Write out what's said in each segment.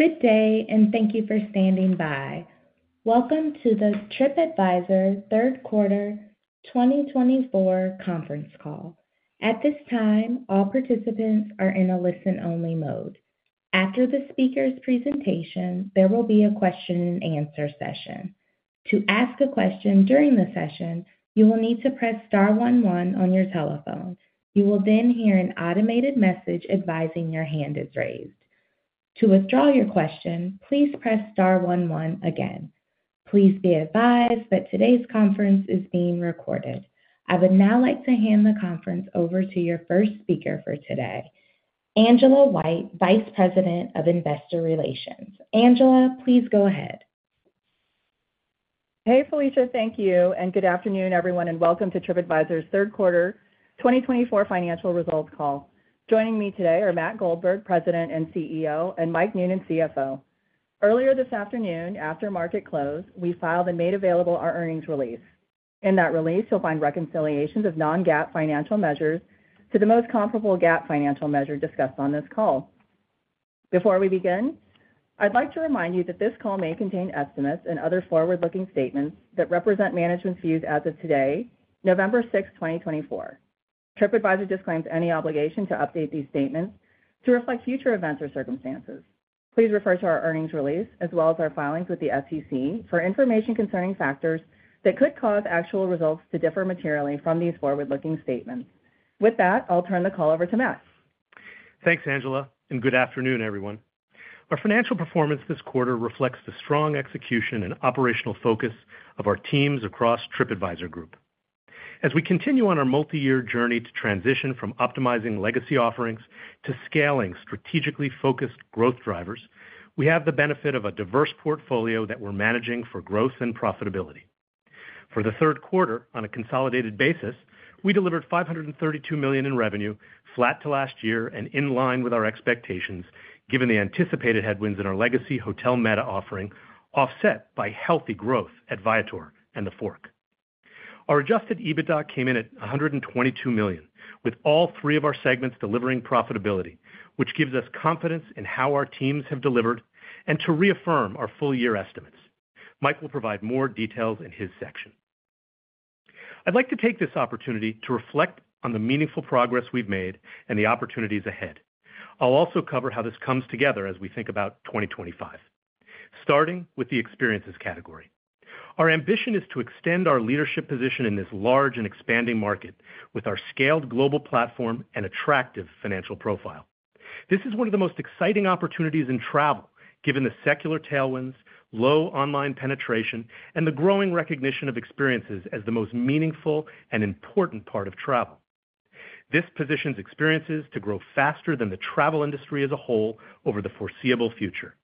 Good day, and thank you for standing by. Welcome to the TripAdvisor third quarter 2024 conference call. At this time, all participants are in a listen-only mode. After the speaker's presentation, there will be a question-and-answer session. To ask a question during the session, you will need to press Star one one on your telephone. You will then hear an automated message advising your hand is raised. To withdraw your question, please press star one one again. Please be advised that today's conference is being recorded. I would now like to hand the conference over to your first speaker for today, Angela White, Vice President of Investor Relations. Angela, please go ahead. Hey, Felicia, thank you, and good afternoon, everyone, and welcome to TripAdvisor's third quarter 2024 financial results call. Joining me today are Matt Goldberg, President and CEO, and Mike Noonan, CFO. Earlier this afternoon, after market close, we filed and made available our earnings release. In that release, you'll find reconciliations of non-GAAP financial measures to the most comparable GAAP financial measure discussed on this call. Before we begin, I'd like to remind you that this call may contain estimates and other forward-looking statements that represent management's views as of today, November 6, 2024. TripAdvisor disclaims any obligation to update these statements to reflect future events or circumstances. Please refer to our earnings release, as well as our filings with the SEC, for information concerning factors that could cause actual results to differ materially from these forward-looking statements. With that, I'll turn the call over to Matt. Thanks, Angela, and good afternoon, everyone. Our financial performance this quarter reflects the strong execution and operational focus of our teams across TripAdvisor Group. As we continue on our multi-year journey to transition from optimizing legacy offerings to scaling strategically focused growth drivers, we have the benefit of a diverse portfolio that we're managing for growth and profitability. For the third quarter, on a consolidated basis, we delivered $532 million in revenue, flat to last year and in line with our expectations, given the anticipated headwinds in our legacy Hotel Meta offering, offset by healthy growth at Viator and TheFork. Our Adjusted EBITDA came in at $122 million, with all three of our segments delivering profitability, which gives us confidence in how our teams have delivered and to reaffirm our full-year estimates. Mike will provide more details in his section. I'd like to take this opportunity to reflect on the meaningful progress we've made and the opportunities ahead. I'll also cover how this comes together as we think about 2025, starting with the experiences category. Our ambition is to extend our leadership position in this large and expanding market with our scaled global platform and attractive financial profile. This is one of the most exciting opportunities in travel, given the secular tailwinds, low online penetration, and the growing recognition of experiences as the most meaningful and important part of travel. This positions experiences to grow faster than the travel industry as a whole over the foreseeable future.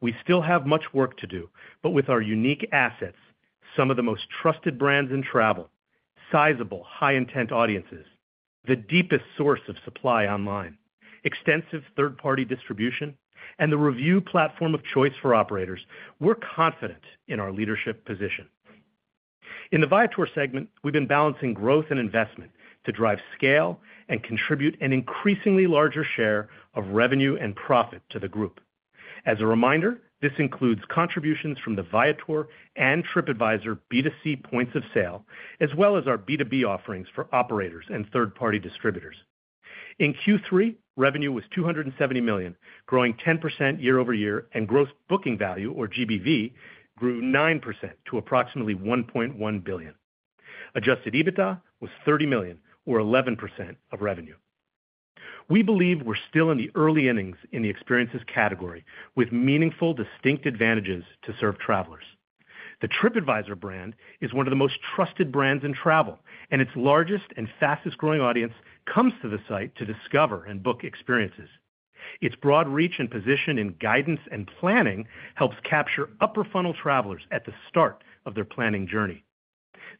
We still have much work to do, but with our unique assets, some of the most trusted brands in travel, sizable high-intent audiences, the deepest source of supply online, extensive third-party distribution, and the review platform of choice for operators, we're confident in our leadership position. In the Viator segment, we've been balancing growth and investment to drive scale and contribute an increasingly larger share of revenue and profit to the group. As a reminder, this includes contributions from the Viator and TripAdvisor B2C points of sale, as well as our B2B offerings for operators and third-party distributors. In Q3, revenue was $270 million, growing 10% year over year, and gross booking value, or GBV, grew 9% to approximately $1.1 billion. Adjusted EBITDA was $30 million, or 11% of revenue. We believe we're still in the early innings in the experiences category, with meaningful distinct advantages to serve travelers. The TripAdvisor brand is one of the most trusted brands in travel, and its largest and fastest-growing audience comes to the site to discover and book experiences. Its broad reach and position in guidance and planning helps capture upper-funnel travelers at the start of their planning journey.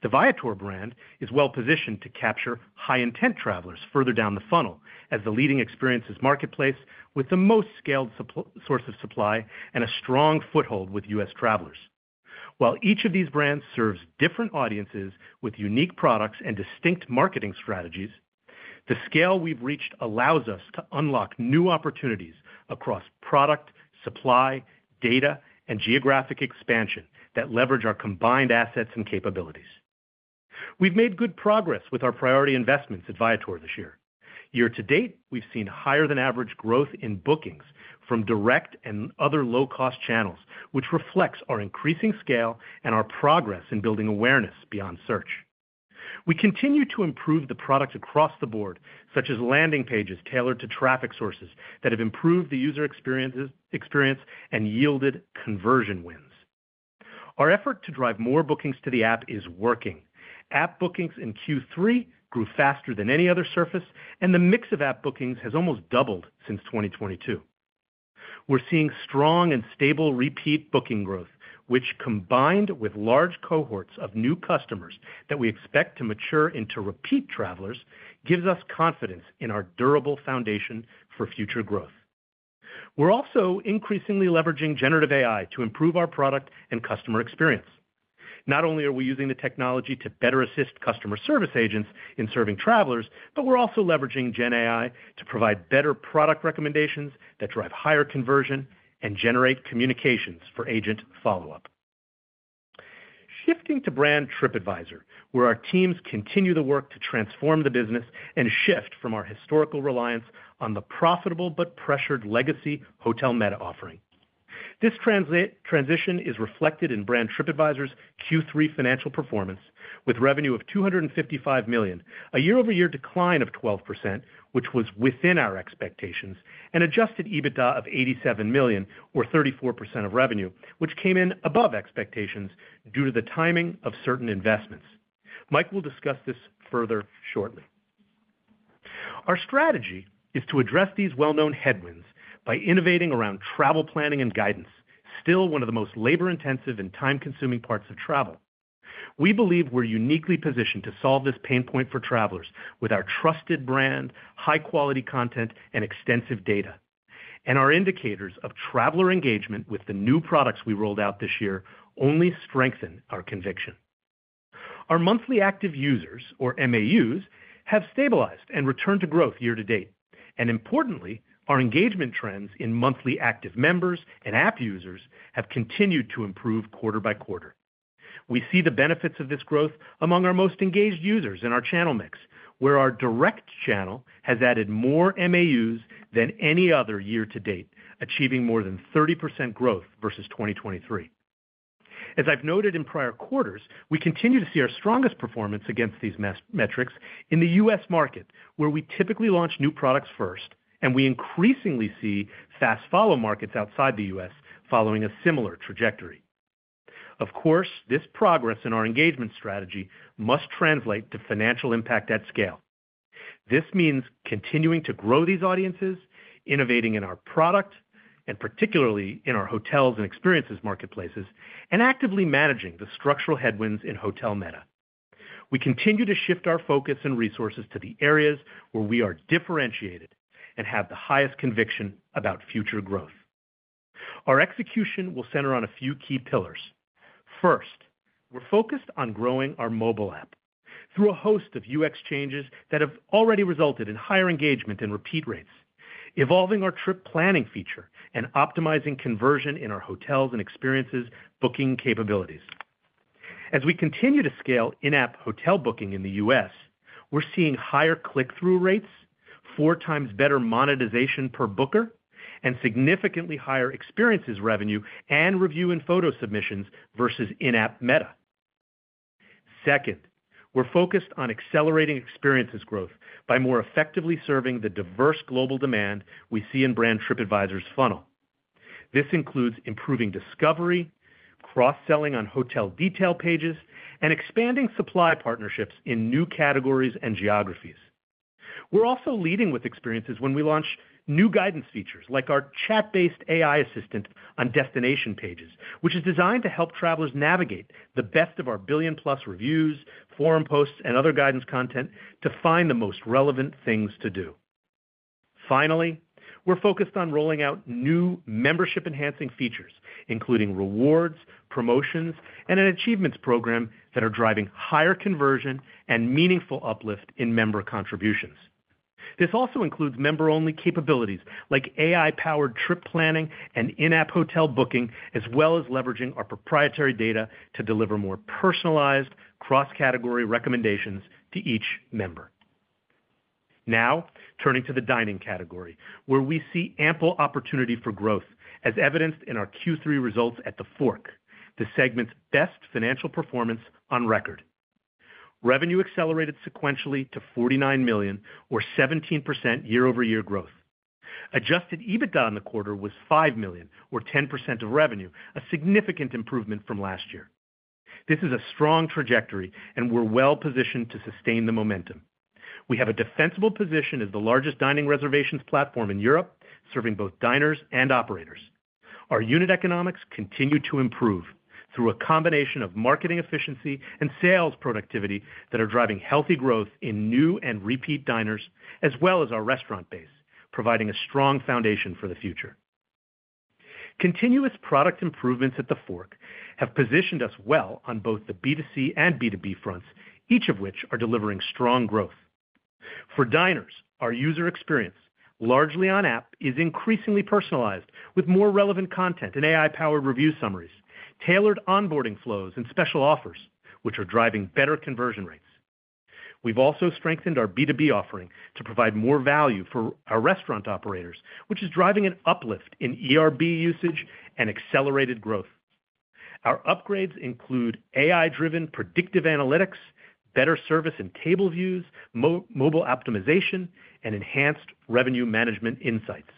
The Viator brand is well-positioned to capture high-intent travelers further down the funnel as the leading experiences marketplace with the most scaled source of supply and a strong foothold with U.S. travelers. While each of these brands serves different audiences with unique products and distinct marketing strategies, the scale we've reached allows us to unlock new opportunities across product, supply, data, and geographic expansion that leverage our combined assets and capabilities. We've made good progress with our priority investments at Viator this year. Year to date, we've seen higher-than-average growth in bookings from direct and other low-cost channels, which reflects our increasing scale and our progress in building awareness beyond search. We continue to improve the product across the board, such as landing pages tailored to traffic sources that have improved the user experience and yielded conversion wins. Our effort to drive more bookings to the app is working. App bookings in Q3 grew faster than any other surface, and the mix of app bookings has almost doubled since 2022. We're seeing strong and stable repeat booking growth, which, combined with large cohorts of new customers that we expect to mature into repeat travelers, gives us confidence in our durable foundation for future growth. We're also increasingly leveraging generative AI to improve our product and customer experience. Not only are we using the technology to better assist customer service agents in serving travelers, but we're also leveraging GenAI to provide better product recommendations that drive higher conversion and generate communications for agent follow-up. Shifting to brand TripAdvisor, where our teams continue the work to transform the business and shift from our historical reliance on the profitable but pressured legacy Hotel Meta offering. This transition is reflected in brand TripAdvisor's Q3 financial performance, with revenue of $255 million, a year-over-year decline of 12%, which was within our expectations, and Adjusted EBITDA of $87 million, or 34% of revenue, which came in above expectations due to the timing of certain investments. Mike will discuss this further shortly. Our strategy is to address these well-known headwinds by innovating around travel planning and guidance, still one of the most labor-intensive and time-consuming parts of travel. We believe we're uniquely positioned to solve this pain point for travelers with our trusted brand, high-quality content, and extensive data, and our indicators of traveler engagement with the new products we rolled out this year only strengthen our conviction. Our monthly active users, or MAUs, have stabilized and returned to growth year to date, and importantly, our engagement trends in monthly active members and app users have continued to improve quarter by quarter. We see the benefits of this growth among our most engaged users in our channel mix, where our direct channel has added more MAUs than any other year to date, achieving more than 30% growth versus 2023. As I've noted in prior quarters, we continue to see our strongest performance against these metrics in the U.S. market, where we typically launch new products first, and we increasingly see fast-follow markets outside the U.S. Following a similar trajectory. Of course, this progress in our engagement strategy must translate to financial impact at scale. This means continuing to grow these audiences, innovating in our product, and particularly in our hotels and experiences marketplaces, and actively managing the structural headwinds in Hotel Meta. We continue to shift our focus and resources to the areas where we are differentiated and have the highest conviction about future growth. Our execution will center on a few key pillars. First, we're focused on growing our mobile app through a host of UX changes that have already resulted in higher engagement and repeat rates, evolving our trip planning feature and optimizing conversion in our hotels and experiences booking capabilities. As we continue to scale in-app hotel booking in the U.S., we're seeing higher click-through rates, four times better monetization per booker, and significantly higher experiences revenue and review and photo submissions versus in-app meta. Second, we're focused on accelerating experiences growth by more effectively serving the diverse global demand we see in brand TripAdvisor's funnel. This includes improving discovery, cross-selling on hotel detail pages, and expanding supply partnerships in new categories and geographies. We're also leading with experiences when we launch new guidance features like our chat-based AI assistant on destination pages, which is designed to help travelers navigate the best of our billion-plus reviews, forum posts, and other guidance content to find the most relevant things to do. Finally, we're focused on rolling out new membership-enhancing features, including rewards, promotions, and an achievements program that are driving higher conversion and meaningful uplift in member contributions. This also includes member-only capabilities like AI-powered trip planning and in-app hotel booking, as well as leveraging our proprietary data to deliver more personalized, cross-category recommendations to each member. Now, turning to the dining category, where we see ample opportunity for growth, as evidenced in our Q3 results at TheFork, the segment's best financial performance on record. Revenue accelerated sequentially to $49 million, or 17% year-over-year growth. Adjusted EBITDA in the quarter was $5 million, or 10% of revenue, a significant improvement from last year. This is a strong trajectory, and we're well-positioned to sustain the momentum. We have a defensible position as the largest dining reservations platform in Europe, serving both diners and operators. Our unit economics continue to improve through a combination of marketing efficiency and sales productivity that are driving healthy growth in new and repeat diners, as well as our restaurant base, providing a strong foundation for the future. Continuous product improvements at TheFork have positioned us well on both the B2C and B2B fronts, each of which are delivering strong growth. For diners, our user experience, largely on app, is increasingly personalized with more relevant content and AI-powered review summaries, tailored onboarding flows, and special offers, which are driving better conversion rates. We've also strengthened our B2B offering to provide more value for our restaurant operators, which is driving an uplift in ERB usage and accelerated growth. Our upgrades include AI-driven predictive analytics, better service and table views, mobile optimization, and enhanced revenue management insights.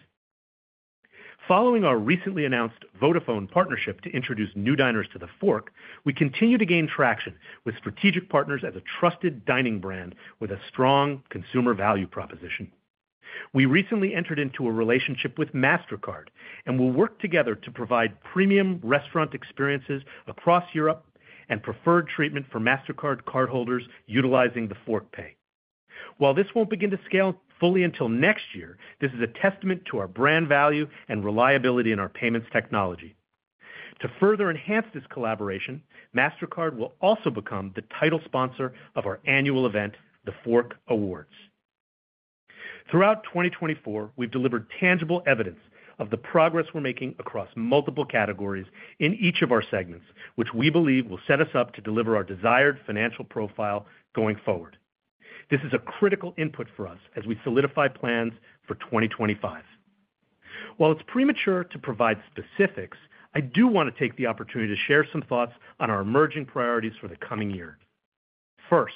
Following our recently announced Vodafone partnership to introduce new diners to TheFork, we continue to gain traction with strategic partners as a trusted dining brand with a strong consumer value proposition. We recently entered into a relationship with Mastercard and will work together to provide premium restaurant experiences across Europe and preferred treatment for Mastercard cardholders utilizing TheFork Pay. While this won't begin to scale fully until next year, this is a testament to our brand value and reliability in our payments technology. To further enhance this collaboration, Mastercard will also become the title sponsor of our annual event, TheFork Awards. Throughout 2024, we've delivered tangible evidence of the progress we're making across multiple categories in each of our segments, which we believe will set us up to deliver our desired financial profile going forward. This is a critical input for us as we solidify plans for 2025. While it's premature to provide specifics, I do want to take the opportunity to share some thoughts on our emerging priorities for the coming year. First,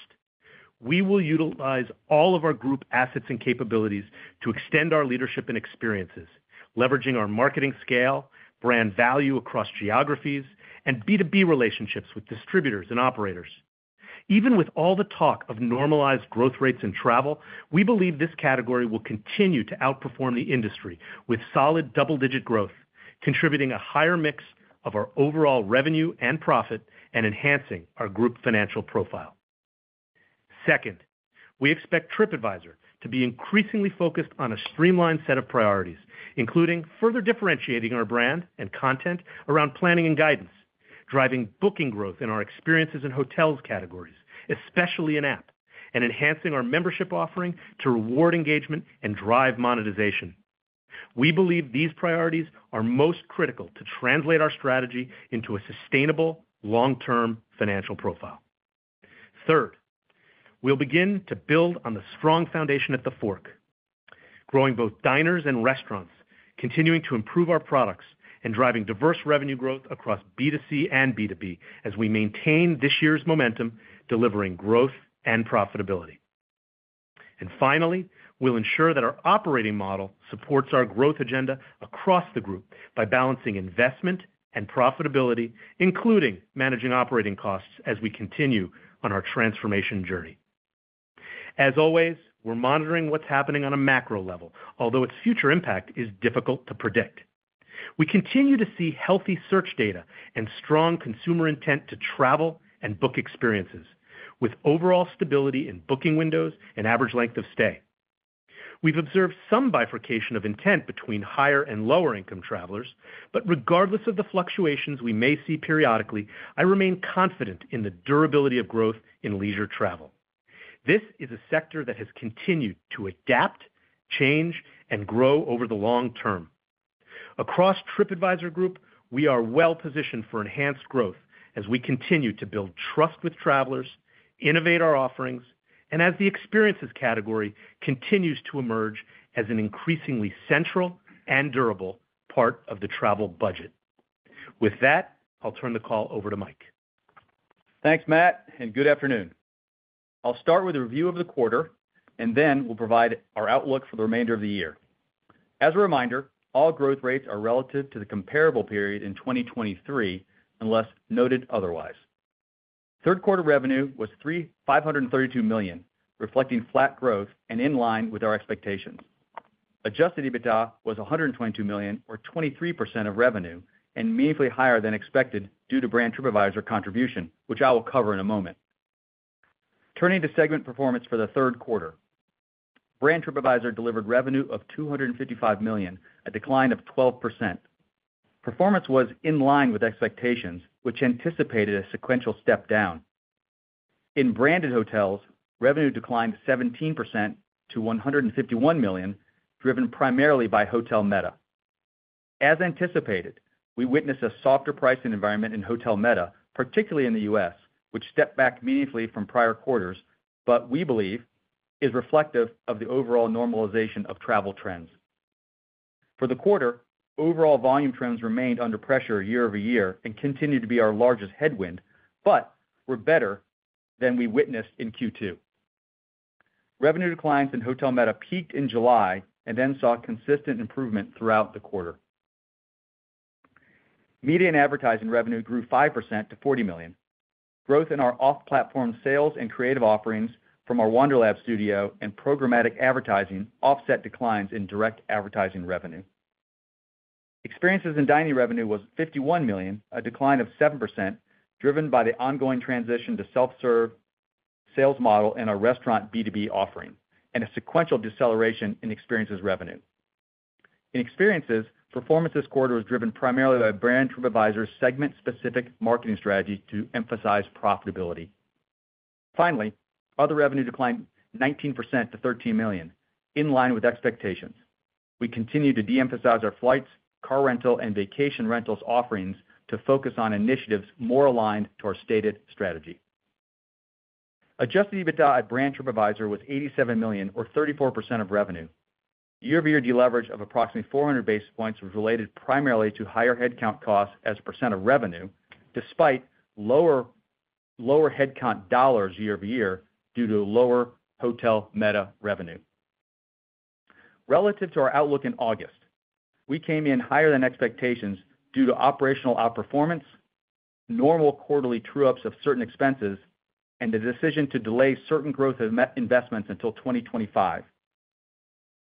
we will utilize all of our group assets and capabilities to extend our leadership and experiences, leveraging our marketing scale, brand value across geographies, and B2B relationships with distributors and operators. Even with all the talk of normalized growth rates in travel, we believe this category will continue to outperform the industry with solid double-digit growth, contributing a higher mix of our overall revenue and profit and enhancing our group financial profile. Second, we expect TripAdvisor to be increasingly focused on a streamlined set of priorities, including further differentiating our brand and content around planning and guidance, driving booking growth in our experiences and hotels categories, especially in app, and enhancing our membership offering to reward engagement and drive monetization. We believe these priorities are most critical to translate our strategy into a sustainable long-term financial profile. Third, we'll begin to build on the strong foundation at TheFork, growing both diners and restaurants, continuing to improve our products, and driving diverse revenue growth across B2C and B2B as we maintain this year's momentum delivering growth and profitability. And finally, we'll ensure that our operating model supports our growth agenda across the group by balancing investment and profitability, including managing operating costs as we continue on our transformation journey. As always, we're monitoring what's happening on a macro level, although its future impact is difficult to predict. We continue to see healthy search data and strong consumer intent to travel and book experiences, with overall stability in booking windows and average length of stay. We've observed some bifurcation of intent between higher and lower-income travelers, but regardless of the fluctuations we may see periodically, I remain confident in the durability of growth in leisure travel. This is a sector that has continued to adapt, change, and grow over the long term. Across TripAdvisor Group, we are well-positioned for enhanced growth as we continue to build trust with travelers, innovate our offerings, and as the experiences category continues to emerge as an increasingly central and durable part of the travel budget. With that, I'll turn the call over to Mike. Thanks, Matt, and good afternoon. I'll start with a review of the quarter, and then we'll provide our outlook for the remainder of the year. As a reminder, all growth rates are relative to the comparable period in 2023, unless noted otherwise. Third quarter revenue was $532 million, reflecting flat growth and in line with our expectations. Adjusted EBITDA was $122 million, or 23% of revenue, and meaningfully higher than expected due to Brand TripAdvisor contribution, which I will cover in a moment. Turning to segment performance for the third quarter, Brand TripAdvisor delivered revenue of $255 million, a decline of 12%. Performance was in line with expectations, which anticipated a sequential step down. In branded hotels, revenue declined 17% to $151 million, driven primarily by Hotel Meta. As anticipated, we witnessed a softer pricing environment in Hotel Meta, particularly in the U.S., which stepped back meaningfully from prior quarters, but we believe is reflective of the overall normalization of travel trends. For the quarter, overall volume trends remained under pressure year over year and continued to be our largest headwind, but were better than we witnessed in Q2. Revenue declines in Hotel Meta peaked in July and then saw consistent improvement throughout the quarter. Media and advertising revenue grew 5% to $40 million. Growth in our off-platform sales and creative offerings from our Wonderlab Studio and programmatic advertising offset declines in direct advertising revenue. Experiences and dining revenue was $51 million, a decline of 7%, driven by the ongoing transition to self-serve sales model in our restaurant B2B offering and a sequential deceleration in experiences revenue. In experiences, performance this quarter was driven primarily by brand TripAdvisor's segment-specific marketing strategy to emphasize profitability. Finally, other revenue declined 19% to $13 million, in line with expectations. We continue to de-emphasize our flights, car rental, and vacation rentals offerings to focus on initiatives more aligned to our stated strategy. Adjusted EBITDA at brand TripAdvisor was $87 million, or 34% of revenue. Year-over-year deleverage of approximately 400 basis points was related primarily to higher headcount costs as a percent of revenue, despite lower headcount dollars year-over-year due to lower Hotel Meta revenue. Relative to our outlook in August, we came in higher than expectations due to operational outperformance, normal quarterly true-ups of certain expenses, and the decision to delay certain growth investments until 2025.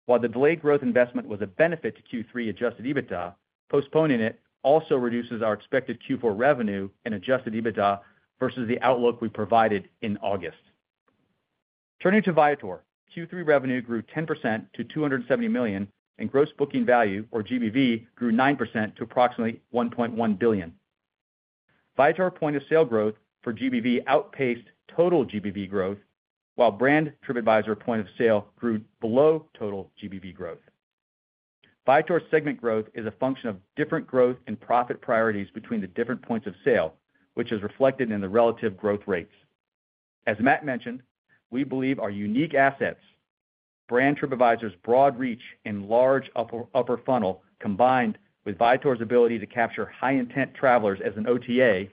While the delayed growth investment was a benefit to Q3 Adjusted EBITDA, postponing it also reduces our expected Q4 revenue and Adjusted EBITDA versus the outlook we provided in August. Turning to Viator, Q3 revenue grew 10% to $270 million, and gross booking value, or GBV, grew 9% to approximately $1.1 billion. Viator's point of sale growth for GBV outpaced total GBV growth, while brand TripAdvisor point of sale grew below total GBV growth. Viator's segment growth is a function of different growth and profit priorities between the different points of sale, which is reflected in the relative growth rates. As Matt mentioned, we believe our unique assets, brand TripAdvisor's broad reach and large upper funnel, combined with Viator's ability to capture high-intent travelers as an OTA,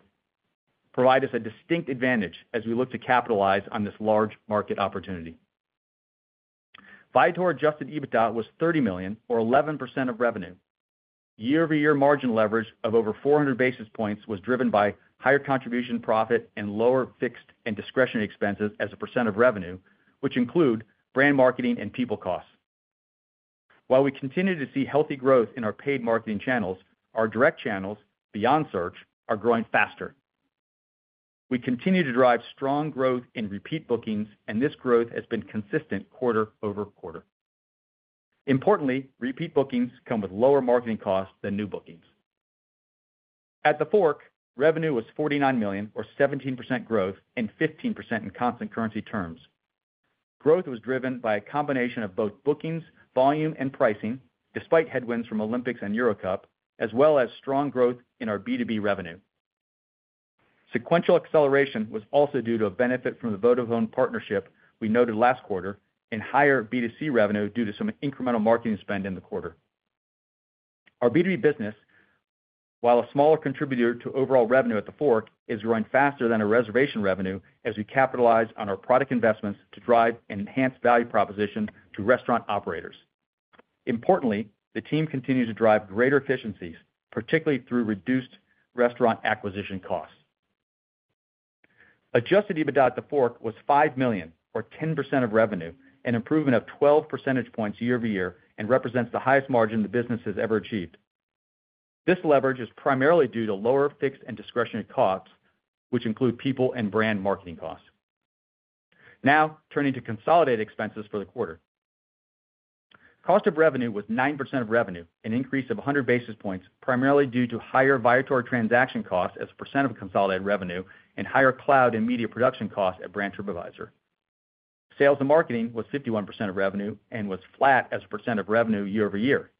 provide us a distinct advantage as we look to capitalize on this large market opportunity. Viator adjusted EBITDA was $30 million, or 11% of revenue. Year-over-year margin leverage of over 400 basis points was driven by higher contribution profit and lower fixed and discretionary expenses as a percent of revenue, which include brand marketing and people costs. While we continue to see healthy growth in our paid marketing channels, our direct channels, beyond search, are growing faster. We continue to drive strong growth in repeat bookings, and this growth has been consistent quarter over quarter. Importantly, repeat bookings come with lower marketing costs than new bookings. At TheFork, revenue was $49 million, or 17% growth and 15% in constant currency terms. Growth was driven by a combination of both bookings, volume, and pricing, despite headwinds from Olympics and Euro Cup, as well as strong growth in our B2B revenue. Sequential acceleration was also due to a benefit from the Vodafone partnership we noted last quarter and higher B2C revenue due to some incremental marketing spend in the quarter. Our B2B business, while a smaller contributor to overall revenue at TheFork, is growing faster than our reservation revenue as we capitalize on our product investments to drive and enhance value proposition to restaurant operators. Importantly, the team continues to drive greater efficiencies, particularly through reduced restaurant acquisition costs. Adjusted EBITDA at TheFork was $5 million, or 10% of revenue, an improvement of 12 percentage points year-over-year and represents the highest margin the business has ever achieved. This leverage is primarily due to lower fixed and discretionary costs, which include people and brand marketing costs. Now, turning to consolidated expenses for the quarter. Cost of revenue was 9% of revenue, an increase of 100 basis points, primarily due to higher Viator transaction costs as a percent of consolidated revenue and higher cloud and media production costs at brand TripAdvisor. Sales and marketing was 51% of revenue and was flat as a percent of revenue year-over-year.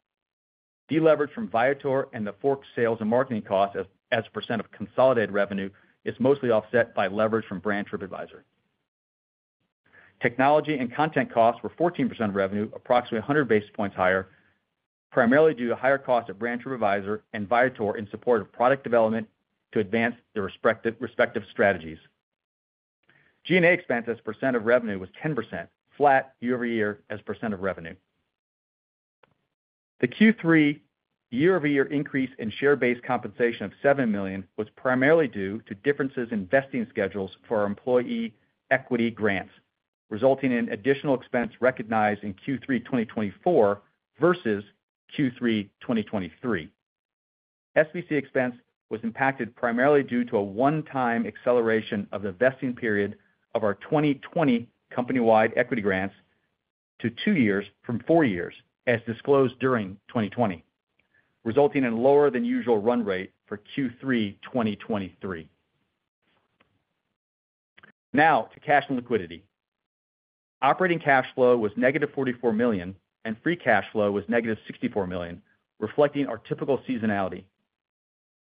Deleverage from Viator and TheFork's sales and marketing costs as a percent of consolidated revenue is mostly offset by leverage from brand TripAdvisor. Technology and content costs were 14% of revenue, approximately 100 basis points higher, primarily due to higher costs at brand TripAdvisor and Viator in support of product development to advance their respective strategies. G&A expense as a percent of revenue was 10%, flat year-over-year as a percent of revenue. The Q3 year-over-year increase in share-based compensation of $7 million was primarily due to differences in vesting schedules for our employee equity grants, resulting in additional expense recognized in Q3 2024 versus Q3 2023. SBC expense was impacted primarily due to a one-time acceleration of the vesting period of our 2020 company-wide equity grants to two years from four years, as disclosed during 2020, resulting in a lower-than-usual run rate for Q3 2023. Now, to cash and liquidity. Operating cash flow was negative $44 million, and free cash flow was negative $64 million, reflecting our typical seasonality.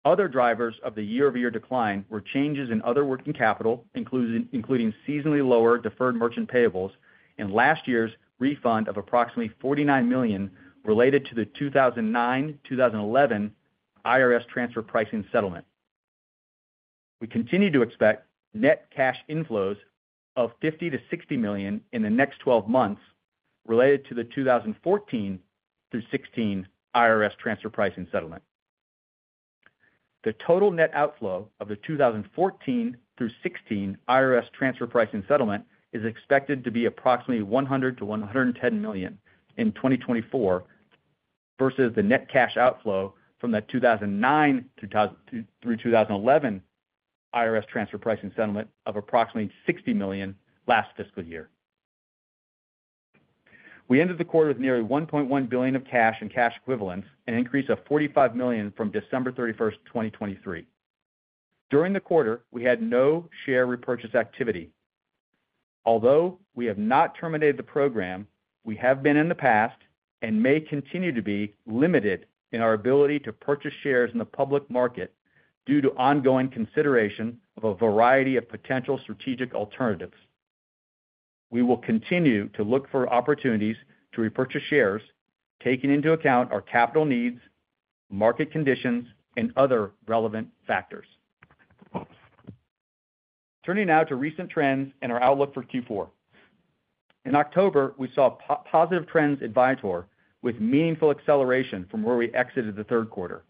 Other drivers of the year-over-year decline were changes in other working capital, including seasonally lower deferred merchant payables and last year's refund of approximately $49 million related to the 2009-2011 IRS transfer pricing settlement. We continue to expect net cash inflows of $50 million-$60 million in the next 12 months related to the 2014-2016 IRS transfer pricing settlement. The total net outflow of the 2014-2016 IRS transfer pricing settlement is expected to be approximately $100 million-$110 million in 2024 versus the net cash outflow from the 2009-2011 IRS transfer pricing settlement of approximately $60 million last fiscal year. We ended the quarter with nearly $1.1 billion of cash and cash equivalents, an increase of $45 million from December 31, 2023. During the quarter, we had no share repurchase activity. Although we have not terminated the program, we have been in the past and may continue to be limited in our ability to purchase shares in the public market due to ongoing consideration of a variety of potential strategic alternatives. We will continue to look for opportunities to repurchase shares, taking into account our capital needs, market conditions, and other relevant factors. Turning now to recent trends and our outlook for Q4. In October, we saw positive trends at Viator with meaningful acceleration from where we exited the third quarter.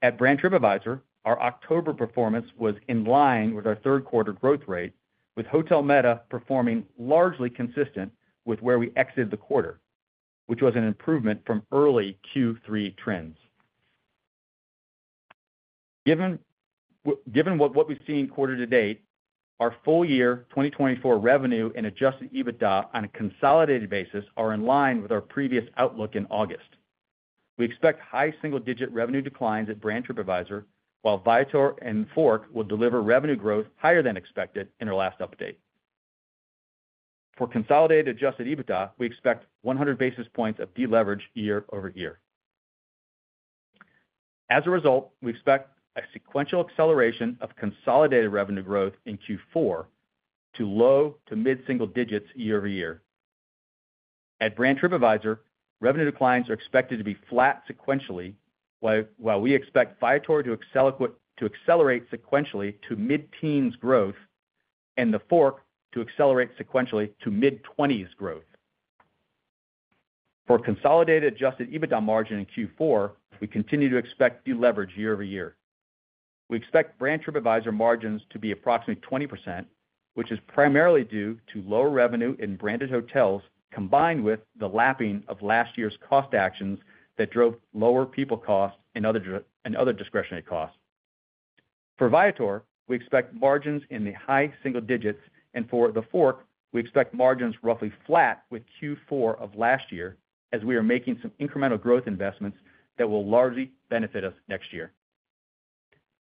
At brand TripAdvisor, our October performance was in line with our third quarter growth rate, with Hotel Meta performing largely consistent with where we exited the quarter, which was an improvement from early Q3 trends. Given what we've seen quarter to date, our full year 2024 revenue and Adjusted EBITDA on a consolidated basis are in line with our previous outlook in August. We expect high single-digit revenue declines at brand TripAdvisor, while Viator and TheFork will deliver revenue growth higher than expected in our last update. For consolidated Adjusted EBITDA, we expect 100 basis points of deleverage year-over-year. As a result, we expect a sequential acceleration of consolidated revenue growth in Q4 to low to mid-single digits year-over-year. At brand TripAdvisor, revenue declines are expected to be flat sequentially, while we expect Viator to accelerate sequentially to mid-teens growth and TheFork to accelerate sequentially to mid-20s growth. For consolidated Adjusted EBITDA margin in Q4, we continue to expect deleverage year-over-year. We expect brand TripAdvisor margins to be approximately 20%, which is primarily due to lower revenue in branded hotels combined with the lapping of last year's cost actions that drove lower people costs and other discretionary costs. For Viator, we expect margins in the high single digits, and for TheFork, we expect margins roughly flat with Q4 of last year as we are making some incremental growth investments that will largely benefit us next year.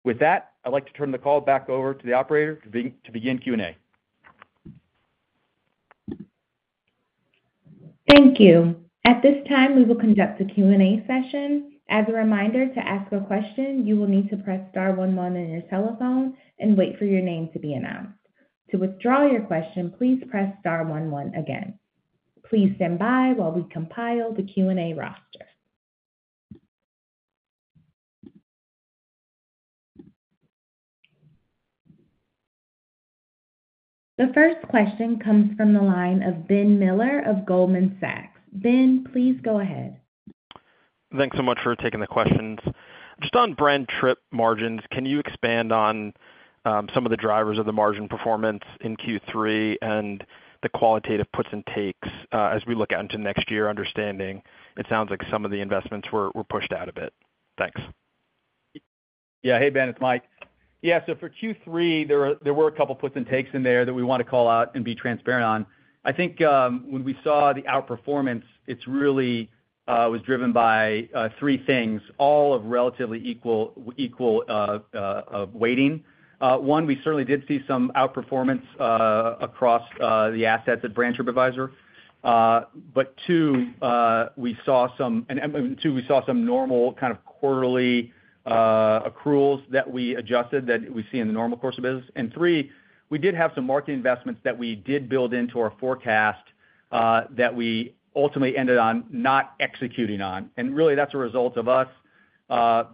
With that, I'd like to turn the call back over to the operator to begin Q&A. Thank you. At this time, we will conduct the Q&A session. As a reminder, to ask a question, you will need to press Star one one on your telephone and wait for your name to be announced. To withdraw your question, please press Star one one again. Please stand by while we compile the Q&A roster. The first question comes from the line of Ben Miller of Goldman Sachs. Ben, please go ahead. Thanks so much for taking the questions. Just on brand trip margins, can you expand on some of the drivers of the margin performance in Q3 and the qualitative puts and takes as we look out into next year, understanding it sounds like some of the investments were pushed out a bit? Thanks. Yeah. Hey, Ben, it's Mike. Yeah. So for Q3, there were a couple of puts and takes in there that we want to call out and be transparent on. I think when we saw the outperformance, it really was driven by three things, all of relatively equal weighting. One, we certainly did see some outperformance across the assets at brand TripAdvisor. But two, we saw some normal kind of quarterly accruals that we adjusted that we see in the normal course of business. And three, we did have some marketing investments that we did build into our forecast that we ultimately ended on not executing on. And really, that's a result of us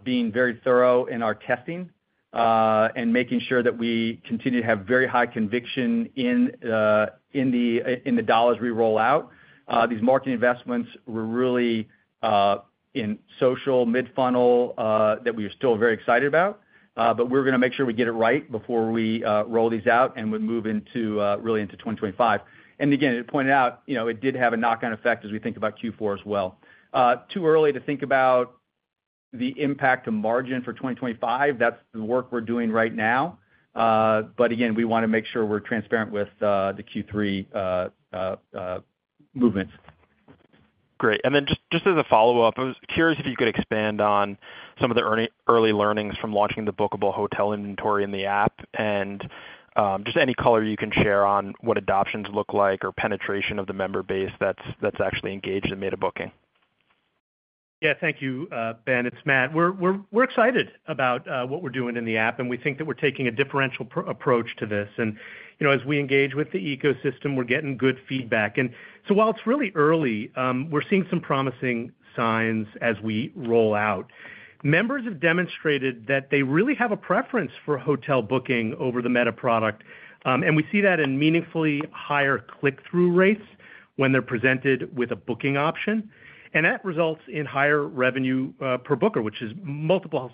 being very thorough in our testing and making sure that we continue to have very high conviction in the dollars we roll out. These marketing investments were really in social mid-funnel that we were still very excited about. But we're going to make sure we get it right before we roll these out and we move really into 2025. And again, as pointed out, it did have a knock-on effect as we think about Q4 as well. Too early to think about the impact of margin for 2025. That's the work we're doing right now. But again, we want to make sure we're transparent with the Q3 movements. Great. And then just as a follow-up, I was curious if you could expand on some of the early learnings from launching the bookable hotel inventory in the app and just any color you can share on what adoptions look like or penetration of the member base that's actually engaged and made a booking. Yeah. Thank you, Ben. It's Matt. We're excited about what we're doing in the app, and we think that we're taking a differential approach to this. And as we engage with the ecosystem, we're getting good feedback, and so while it's really early, we're seeing some promising signs as we roll out. Members have demonstrated that they really have a preference for hotel booking over the Meta product, and we see that in meaningfully higher click-through rates when they're presented with a booking option, and that results in higher revenue per booker, which is multiples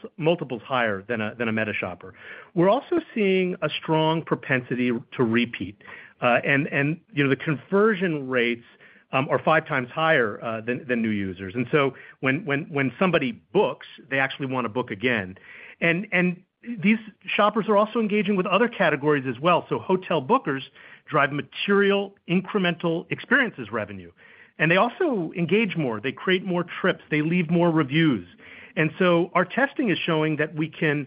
higher than a Meta shopper. We're also seeing a strong propensity to repeat, and the conversion rates are five times higher than new users, and so when somebody books, they actually want to book again, and these shoppers are also engaging with other categories as well, so hotel bookers drive material incremental Experiences revenue, and they also engage more. They create more trips. They leave more reviews. And so our testing is showing that we can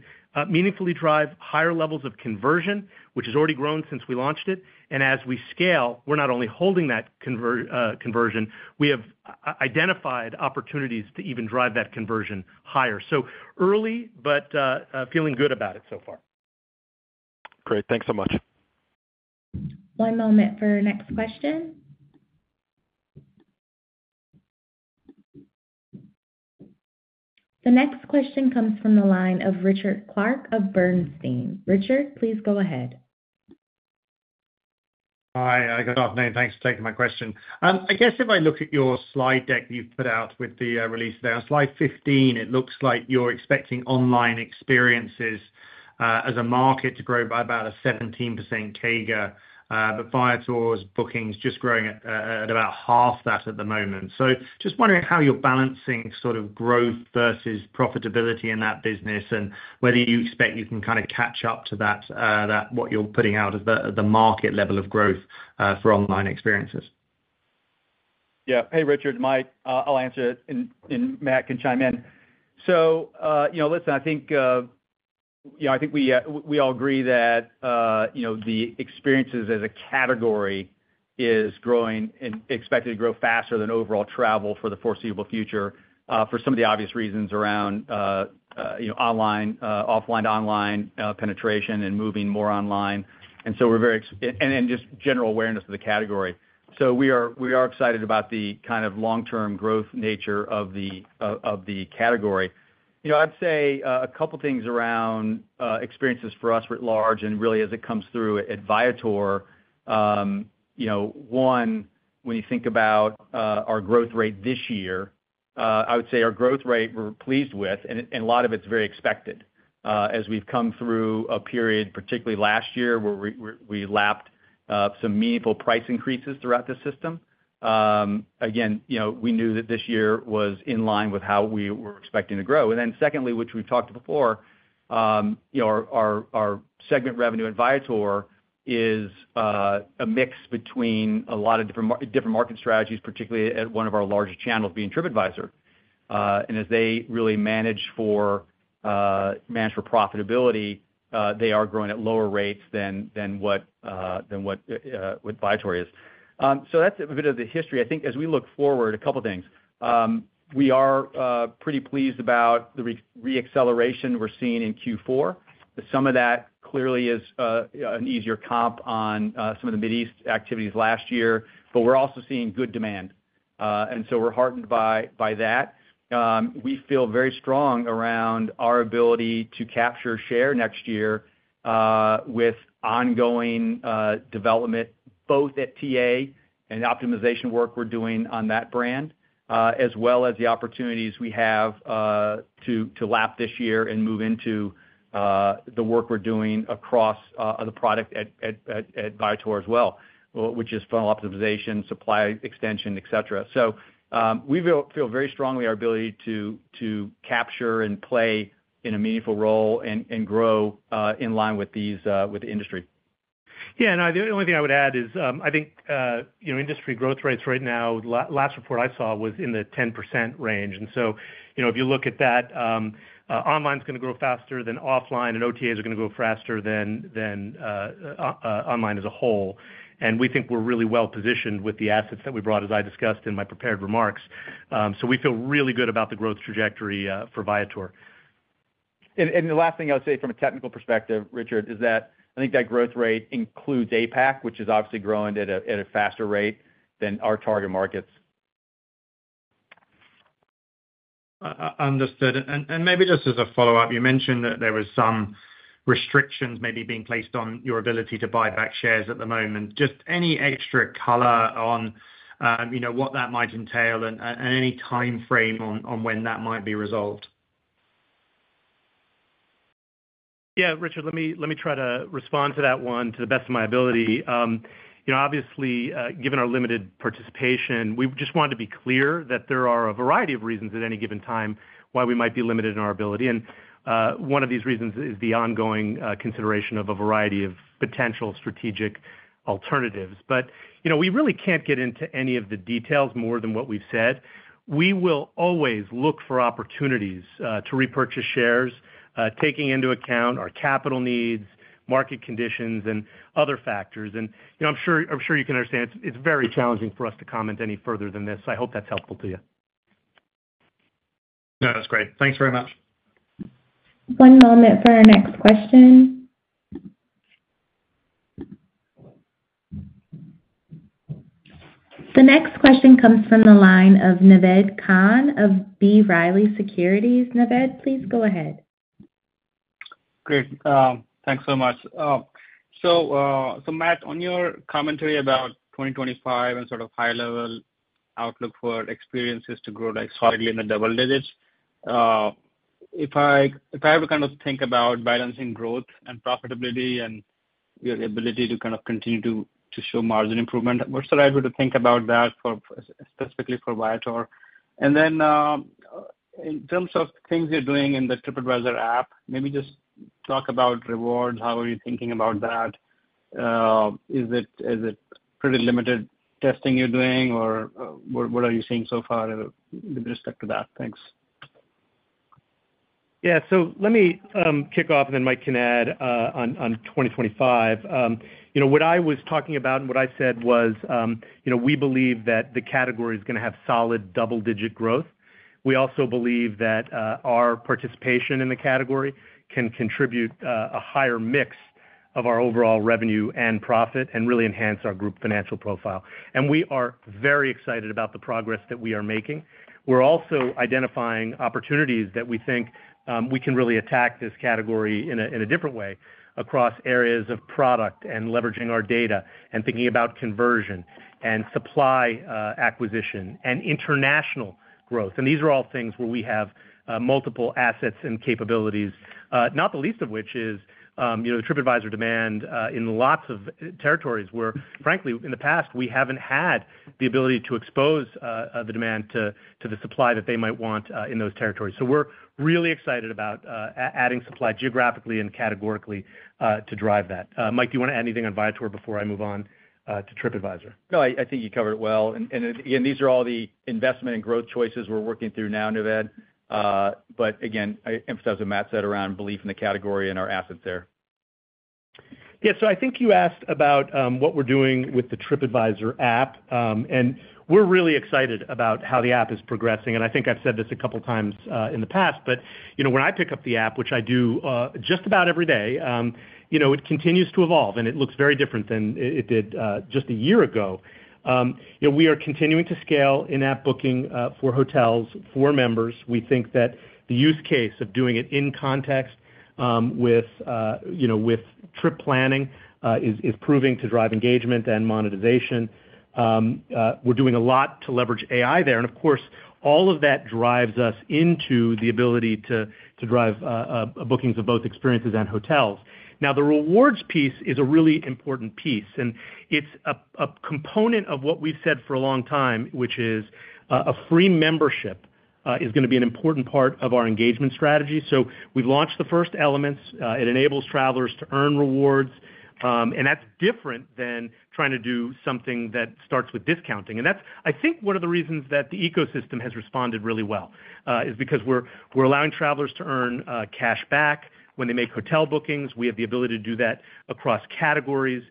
meaningfully drive higher levels of conversion, which has already grown since we launched it. And as we scale, we're not only holding that conversion, we have identified opportunities to even drive that conversion higher. So early, but feeling good about it so far. Great. Thanks so much. One moment for our next question. The next question comes from the line of Richard Clarke of Bernstein. Richard, please go ahead. Hi. I got off. Thanks for taking my question. I guess if I look at your slide deck that you've put out with the release there, on slide 15, it looks like you're expecting online experiences as a market to grow by about a 17% CAGR, but Viator's booking's just growing at about half that at the moment. So just wondering how you're balancing sort of growth versus profitability in that business and whether you expect you can kind of catch up to what you're putting out of the market level of growth for online experiences? Yeah. Hey, Richard, Mike, I'll answer it and Matt can chime in. So listen, I think we all agree that the experiences as a category is growing and expected to grow faster than overall travel for the foreseeable future for some of the obvious reasons around online, offline, online penetration and moving more online. And so we're very and just general awareness of the category. So we are excited about the kind of long-term growth nature of the category. I'd say a couple of things around experiences for us at large and really as it comes through at Viator. One, when you think about our growth rate this year, I would say our growth rate we're pleased with, and a lot of it's very expected as we've come through a period, particularly last year, where we lapped some meaningful price increases throughout the system. Again, we knew that this year was in line with how we were expecting to grow. And then secondly, which we've talked before, our segment revenue at Viator is a mix between a lot of different market strategies, particularly at one of our largest channels being TripAdvisor. And as they really manage for profitability, they are growing at lower rates than what Viator is. So that's a bit of the history. I think as we look forward, a couple of things. We are pretty pleased about the re-acceleration we're seeing in Q4. Some of that clearly is an easier comp on some of the Middle-East activities last year, but we're also seeing good demand, and so we're heartened by that. We feel very strong around our ability to capture share next year with ongoing development both at TA and optimization work we're doing on that brand, as well as the opportunities we have to lap this year and move into the work we're doing across the product at Viator as well, which is funnel optimization, supply extension, etc., so we feel very strongly our ability to capture and play in a meaningful role and grow in line with the industry. Yeah, and the only thing I would add is I think industry growth rates right now, last report I saw, was in the 10% range. And so if you look at that, online's going to grow faster than offline, and OTAs are going to grow faster than online as a whole. And we think we're really well positioned with the assets that we brought, as I discussed in my prepared remarks. So we feel really good about the growth trajectory for Viator. And the last thing I would say from a technical perspective, Richard, is that I think that growth rate includes APAC, which is obviously growing at a faster rate than our target markets. Understood. And maybe just as a follow-up, you mentioned that there were some restrictions maybe being placed on your ability to buy back shares at the moment. Just any extra color on what that might entail and any timeframe on when that might be resolved? Yeah. Richard, let me try to respond to that one to the best of my ability. Obviously, given our limited participation, we just wanted to be clear that there are a variety of reasons at any given time why we might be limited in our ability. And one of these reasons is the ongoing consideration of a variety of potential strategic alternatives. But we really can't get into any of the details more than what we've said. We will always look for opportunities to repurchase shares, taking into account our capital needs, market conditions, and other factors. And I'm sure you can understand it's very challenging for us to comment any further than this. I hope that's helpful to you. No, that's great. Thanks very much. One moment for our next question. The next question comes from the line of Naved Khan of B. Riley Securities. Naved, please go ahead. Great. Thanks so much. So Matt, on your commentary about 2025 and sort of high-level outlook for experiences to grow solidly in the double digits, if I were to kind of think about balancing growth and profitability and your ability to kind of continue to show margin improvement, what's the right way to think about that specifically for Viator? And then in terms of things you're doing in the TripAdvisor app, maybe just talk about rewards. How are you thinking about that? Is it pretty limited testing you're doing, or what are you seeing so far with respect to that? Thanks. Yeah. So let me kick off, and then Mike can add on 2025. What I was talking about and what I said was we believe that the category is going to have solid double-digit growth. We also believe that our participation in the category can contribute a higher mix of our overall revenue and profit and really enhance our group financial profile, and we are very excited about the progress that we are making. We're also identifying opportunities that we think we can really attack this category in a different way across areas of product and leveraging our data and thinking about conversion and supply acquisition and international growth, and these are all things where we have multiple assets and capabilities, not the least of which is the TripAdvisor demand in lots of territories where, frankly, in the past, we haven't had the ability to expose the demand to the supply that they might want in those territories, so we're really excited about adding supply geographically and categorically to drive that. Mike, do you want to add anything on Viator before I move on to TripAdvisor? No, I think you covered it well. And again, these are all the investment and growth choices we're working through now, Naved. But again, I emphasize what Matt said around belief in the category and our assets there. Yeah. So I think you asked about what we're doing with the TripAdvisor app. And we're really excited about how the app is progressing. And I think I've said this a couple of times in the past, but when I pick up the app, which I do just about every day, it continues to evolve, and it looks very different than it did just a year ago. We are continuing to scale in-app booking for hotels for members. We think that the use case of doing it in context with trip planning is proving to drive engagement and monetization. We're doing a lot to leverage AI there. And of course, all of that drives us into the ability to drive bookings of both experiences and hotels. Now, the rewards piece is a really important piece. And it's a component of what we've said for a long time, which is a free membership is going to be an important part of our engagement strategy. So we've launched the first elements. It enables travelers to earn rewards. And that's different than trying to do something that starts with discounting. And that's, I think, one of the reasons that the ecosystem has responded really well is because we're allowing travelers to earn cash back when they make hotel bookings. We have the ability to do that across categories.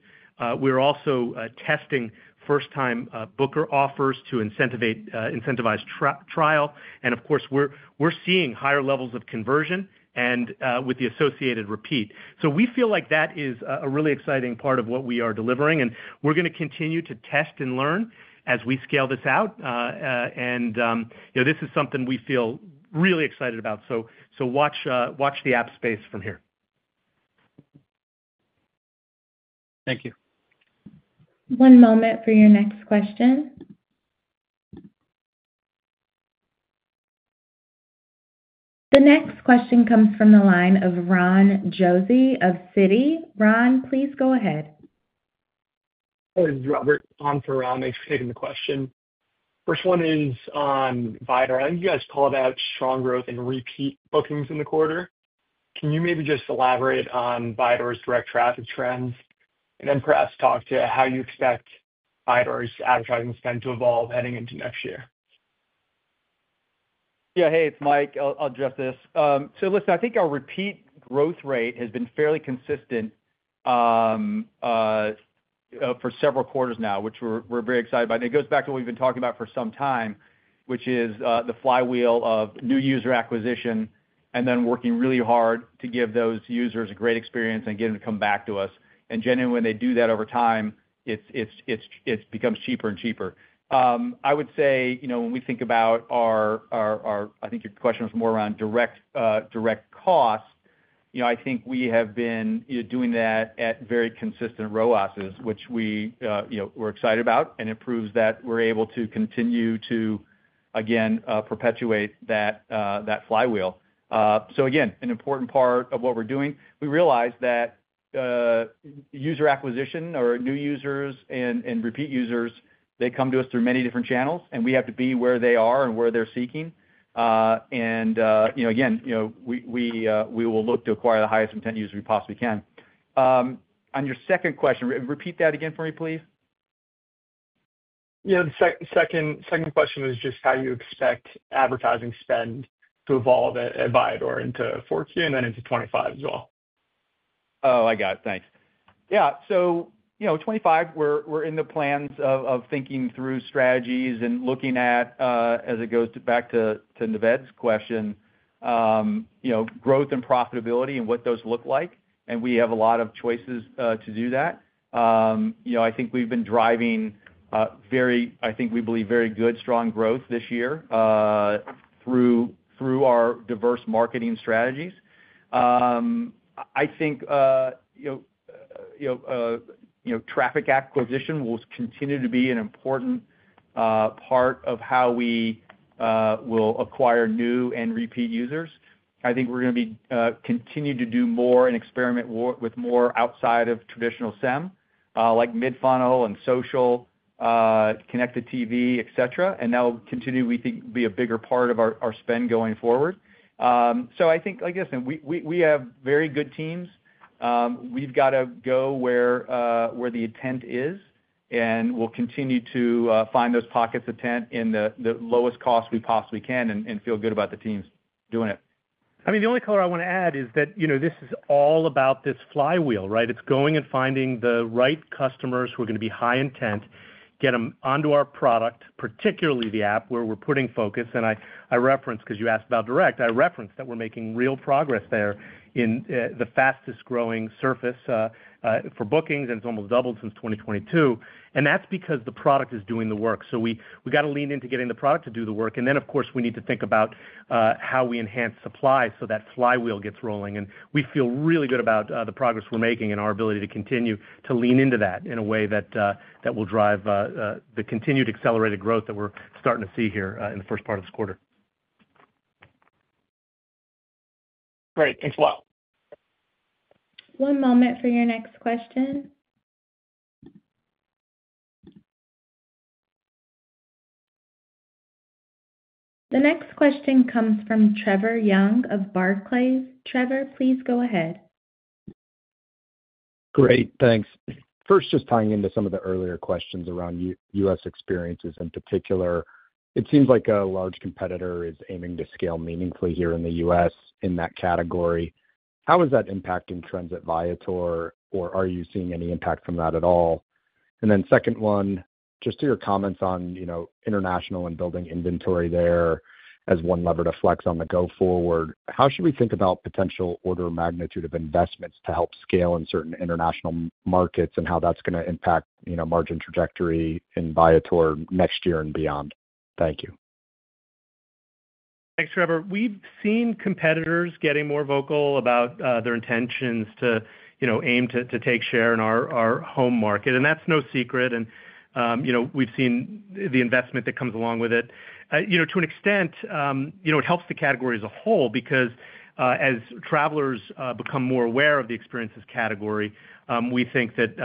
We're also testing first-time booker offers to incentivize trial. And of course, we're seeing higher levels of conversion and with the associated repeat. So we feel like that is a really exciting part of what we are delivering. And we're going to continue to test and learn as we scale this out. And this is something we feel really excited about. So watch the app space from here. Thank you. One moment for your next question. The next question comes from the line of Ron Josey of Citi. Ron, please go ahead. This is Robert. On for Ron if you're taking the question. First one is on Viator. I think you guys called out strong growth and repeat bookings in the quarter. Can you maybe just elaborate on Viator's direct traffic trends and then perhaps talk to how you expect Viator's advertising spend to evolve heading into next year? Yeah. Hey, it's Mike. I'll address this. So listen, I think our repeat growth rate has been fairly consistent for several quarters now, which we're very excited about. And it goes back to what we've been talking about for some time, which is the flywheel of new user acquisition and then working really hard to give those users a great experience and get them to come back to us. And genuinely, when they do that over time, it becomes cheaper and cheaper. I would say when we think about our. I think your question was more around direct cost. I think we have been doing that at very consistent ratios, which we're excited about. And it proves that we're able to continue to, again, perpetuate that flywheel. So again, an important part of what we're doing. We realize that user acquisition or new users and repeat users, they come to us through many different channels, and we have to be where they are and where they're seeking. And again, we will look to acquire the highest intent users we possibly can. On your second question, repeat that again for me, please. Yeah. The second question was just how you expect advertising spend to evolve at Viator into 2024 and then into 2025 as well. Oh, I got it. Thanks. Yeah. So 2025, we're in the plans of thinking through strategies and looking at, as it goes back to Naved's question, growth and profitability and what those look like. And we have a lot of choices to do that. I think we've been driving—I think we believe very good, strong growth this year through our diverse marketing strategies. I think traffic acquisition will continue to be an important part of how we will acquire new and repeat users. I think we're going to continue to do more and experiment with more outside of traditional SEM, like mid-funnel and social, connected TV, etc., and that will continue, we think, to be a bigger part of our spend going forward. So I think, like I said, we have very good teams. We've got to go where the intent is, and we'll continue to find those pockets of intent in the lowest cost we possibly can and feel good about the teams doing it. I mean, the only color I want to add is that this is all about this flywheel, right? It's going and finding the right customers who are going to be high intent, get them onto our product, particularly the app where we're putting focus. And I referenced, because you asked about direct, I referenced that we're making real progress there in the fastest-growing surface for bookings, and it's almost doubled since 2022. And that's because the product is doing the work. So we got to lean into getting the product to do the work. And then, of course, we need to think about how we enhance supply so that flywheel gets rolling. And we feel really good about the progress we're making and our ability to continue to lean into that in a way that will drive the continued accelerated growth that we're starting to see here in the first part of this quarter. Great. Thanks a lot. One moment for your next question. The next question comes from Trevor Young of Barclays. Trevor, please go ahead. Great. Thanks. First, just tying into some of the earlier questions around U.S. experiences in particular, it seems like a large competitor is aiming to scale meaningfully here in the U.S. in that category. How is that impacting trends at Viator, or are you seeing any impact from that at all? And then second one, just to your comments on international and building inventory there as one lever to flex on the go-forward, how should we think about potential order magnitude of investments to help scale in certain international markets and how that's going to impact margin trajectory in Viator next year and beyond? Thank you. Thanks, Trevor. We've seen competitors getting more vocal about their intentions to aim to take share in our home market. And that's no secret. And we've seen the investment that comes along with it. To an extent, it helps the category as a whole because as travelers become more aware of the experiences category, we think that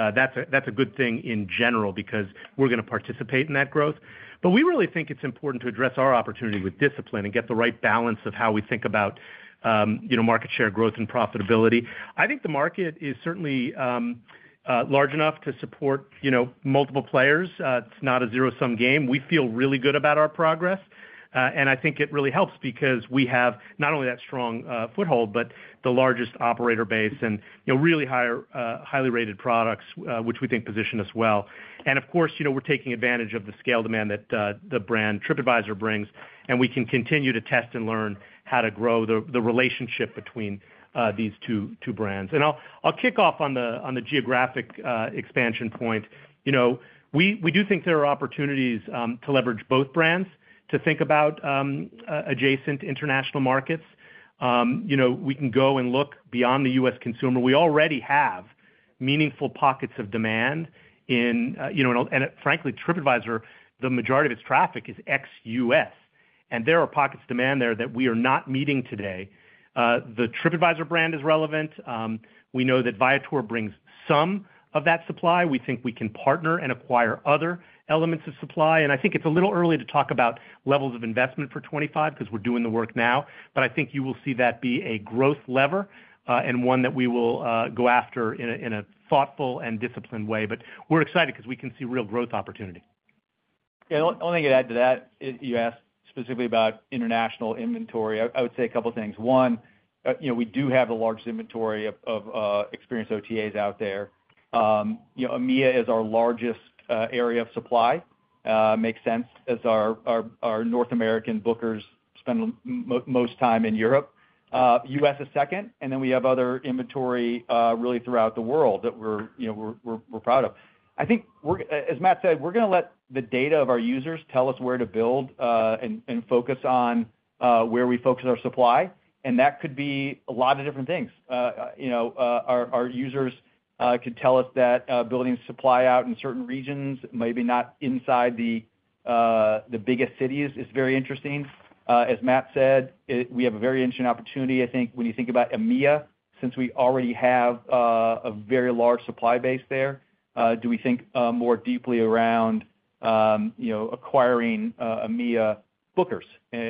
that's a good thing in general because we're going to participate in that growth, but we really think it's important to address our opportunity with discipline and get the right balance of how we think about market share growth and profitability. I think the market is certainly large enough to support multiple players. It's not a zero-sum game. We feel really good about our progress, and I think it really helps because we have not only that strong foothold, but the largest operator base and really highly rated products, which we think position us well, and of course, we're taking advantage of the scale demand that the brand TripAdvisor brings, and we can continue to test and learn how to grow the relationship between these two brands. And I'll kick off on the geographic expansion point. We do think there are opportunities to leverage both brands to think about adjacent international markets. We can go and look beyond the U.S. consumer. We already have meaningful pockets of demand. And frankly, TripAdvisor, the majority of its traffic is ex-U.S. And there are pockets of demand there that we are not meeting today. The TripAdvisor brand is relevant. We know that Viator brings some of that supply. We think we can partner and acquire other elements of supply. And I think it's a little early to talk about levels of investment for 2025 because we're doing the work now. But I think you will see that be a growth lever and one that we will go after in a thoughtful and disciplined way. But we're excited because we can see real growth opportunity. Yeah. The only thing I'd add to that, you asked specifically about international inventory. I would say a couple of things. One, we do have the largest inventory of experiences. OTAs out there. EMEA is our largest area of supply. Makes sense as our North American bookers spend most time in Europe. U.S. is second, and then we have other inventory really throughout the world that we're proud of. I think, as Matt said, we're going to let the data of our users tell us where to build and focus on where we focus our supply, and that could be a lot of different things. Our users could tell us that building supply out in certain regions, maybe not inside the biggest cities, is very interesting. As Matt said, we have a very interesting opportunity. I think when you think about EMEA, since we already have a very large supply base there, do we think more deeply around acquiring EMEA bookers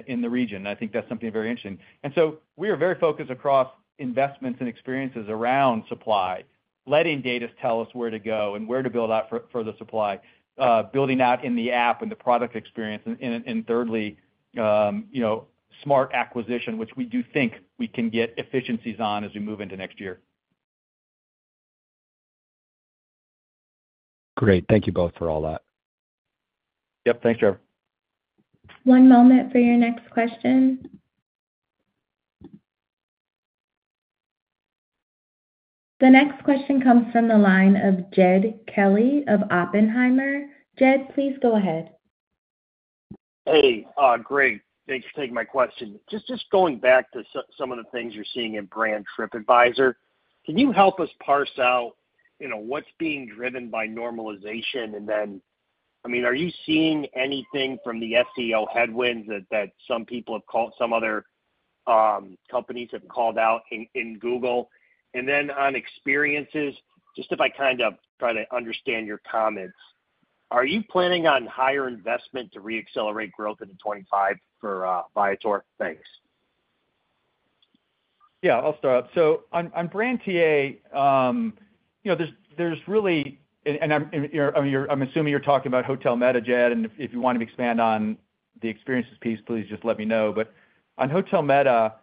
in the region? I think that's something very interesting. And so we are very focused across investments and experiences around supply, letting data tell us where to go and where to build out further supply, building out in the app and the product experience. And thirdly, smart acquisition, which we do think we can get efficiencies on as we move into next year. Great. Thank you both for all that. Yep. Thanks, Trevor. One moment for your next question. The next question comes from the line of Jed Kelly of Oppenheimer. Jed, please go ahead. Hey. Great. Thanks for taking my question. Just going back to some of the things you're seeing in brand TripAdvisor, can you help us parse out what's being driven by normalization? And then, I mean, are you seeing anything from the SEO headwinds that some people have called, some other companies have called out in Google? And then on experiences, just if I kind of try to understand your comments, are you planning on higher investment to re-accelerate growth into 2025 for Viator? Thanks. Yeah. I'll start up. So on brand TA, there's really, and I'm assuming you're talking about Hotel Meta, Jed, and if you want to expand on the experiences piece, please just let me know. But on Hotel Meta,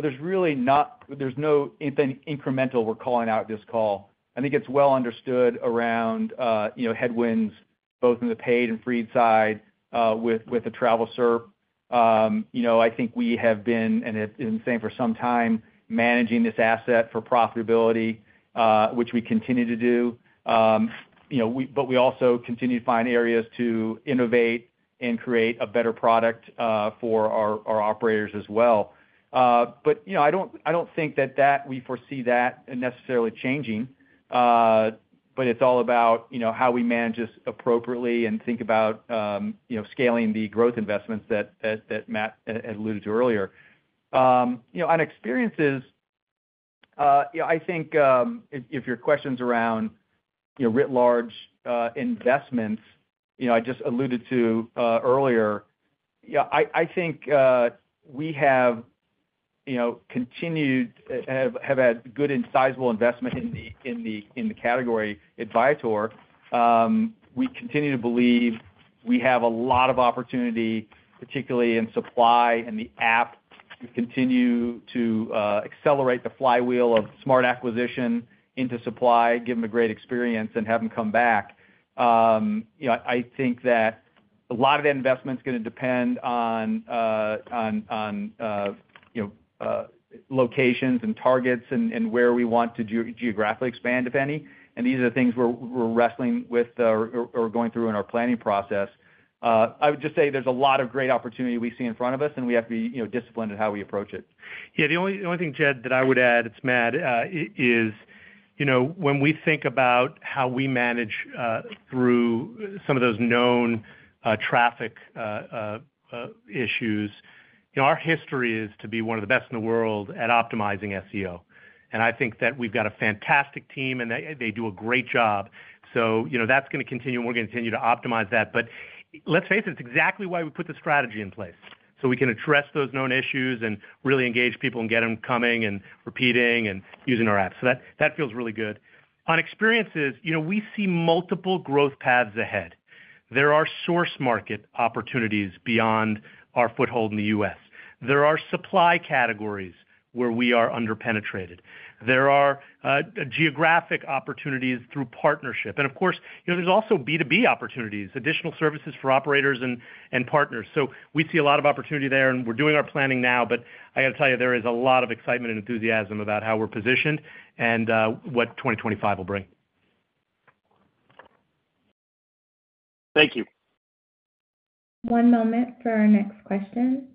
there's really no incremental we're calling out this call. I think it's well understood around headwinds both in the paid and free side with the travel SERP. I think we have been (and it's been the same for some time) managing this asset for profitability, which we continue to do. But we also continue to find areas to innovate and create a better product for our operators as well. But I don't think that we foresee that necessarily changing. But it's all about how we manage this appropriately and think about scaling the growth investments that Matt had alluded to earlier. On experiences, I think if your question's around writ large investments, I just alluded to earlier, I think we have continued to have had good and sizable investment in the category at Viator. We continue to believe we have a lot of opportunity, particularly in supply and the app. We continue to accelerate the flywheel of smart acquisition into supply, give them a great experience, and have them come back. I think that a lot of that investment's going to depend on locations and targets and where we want to geographically expand, if any. And these are the things we're wrestling with or going through in our planning process. I would just say there's a lot of great opportunity we see in front of us, and we have to be disciplined in how we approach it. Yeah. The only thing, Jed, that I would add to that is when we think about how we manage through some of those known traffic issues, our history is to be one of the best in the world at optimizing SEO. And I think that we've got a fantastic team, and they do a great job. So that's going to continue, and we're going to continue to optimize that. But let's face it, it's exactly why we put the strategy in place. So we can address those known issues and really engage people and get them coming and repeating and using our app. So that feels really good. On experiences, we see multiple growth paths ahead. There are source market opportunities beyond our foothold in the U.S. There are supply categories where we are underpenetrated. There are geographic opportunities through partnership. And of course, there's also B2B opportunities, additional services for operators and partners. So we see a lot of opportunity there, and we're doing our planning now. But I got to tell you, there is a lot of excitement and enthusiasm about how we're positioned and what 2025 will bring. Thank you. One moment for our next question.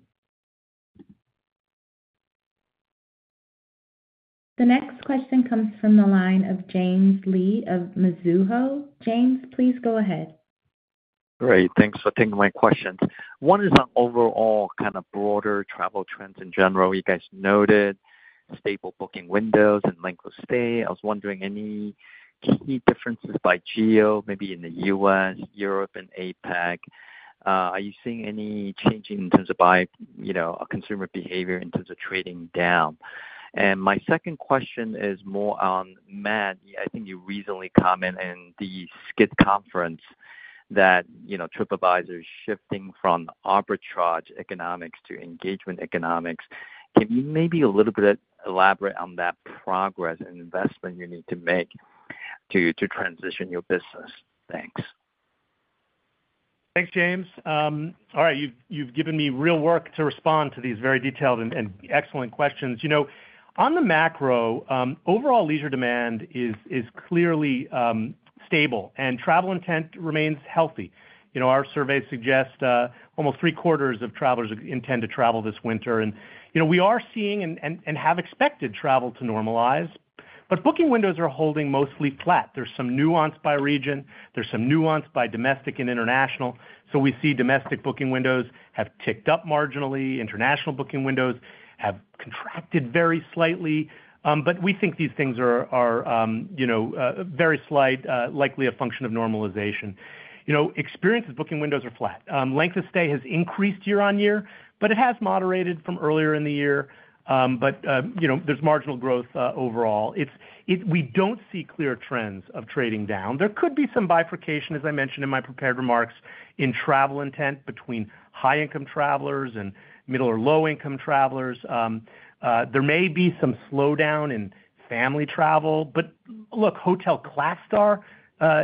The next question comes from the line of James Lee of Mizuho. James, please go ahead. Great. Thanks for taking my questions. One is on overall kind of broader travel trends in general. You guys noted stable booking windows and length of stay. I was wondering any key differences by geo, maybe in the US, Europe, and APAC. Are you seeing any changing in terms of consumer behavior in terms of trading down? And my second question is more on, Matt, I think you recently commented in the Skift Conference that TripAdvisor is shifting from arbitrage economics to engagement economics. Can you maybe a little bit elaborate on that progress and investment you need to make to transition your business? Thanks. Thanks, James. All right. You've given me real work to respond to these very detailed and excellent questions. On the macro, overall leisure demand is clearly stable, and travel intent remains healthy. Our survey suggests almost three-quarters of travelers intend to travel this winter. And we are seeing and have expected travel to normalize. But booking windows are holding mostly flat. There's some nuance by region. There's some nuance by domestic and international. So we see domestic booking windows have ticked up marginally. International booking windows have contracted very slightly. But we think these things are very slight, likely a function of normalization. Experiences booking windows are flat. Length of stay has increased year on year, but it has moderated from earlier in the year. But there's marginal growth overall. We don't see clear trends of trading down. There could be some bifurcation, as I mentioned in my prepared remarks, in travel intent between high-income travelers and middle or low-income travelers. There may be some slowdown in family travel. But look, hotel class star